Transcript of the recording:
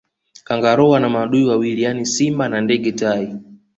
Kangaroo ana maadui wawili yaani simba na ndege tai